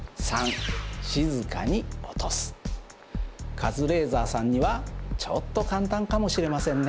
カズレーザーさんにはちょっと簡単かもしれませんね！